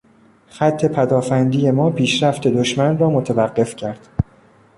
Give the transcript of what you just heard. خط پدافندی ما پیشرفت دشمن را متوقف کرد.